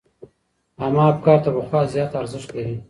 عامه افکار تر پخوا زيات ارزښت لري.